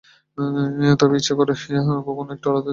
তবে ইচ্ছা করিয়া কখনও একটু আলগা দেন মাত্র।